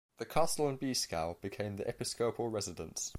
The castle in Beeskow became the episcopal residence.